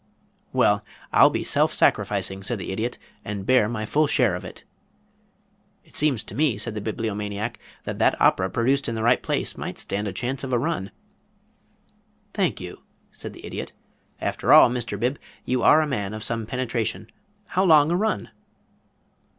"Well, I'll be self sacrificing," said the Idiot, "and bear my full share of it." "It seems to me," said the Bibliomaniac, "that that opera produced in the right place might stand a chance of a run." "Thank you," said the Idiot. "After all, Mr. Bib, you are a man of some penetration. How long a run?"